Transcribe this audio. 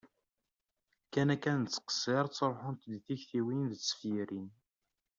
Kan akka nettqeṣṣiṛ ttṛuḥunt-d tiktiwin d tefyirin!